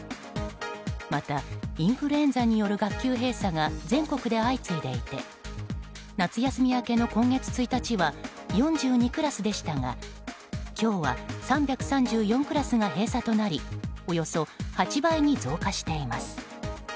また、インフルエンザによる学級閉鎖が全国で相次いでいて夏休み明けの今月１日は４２クラスでしたが今日は３３４クラスが閉鎖となりおよそ８倍に増加しています。